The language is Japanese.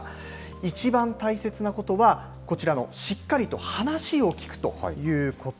いちばん大切なことは、こちらのしっかりと話を聞くということ。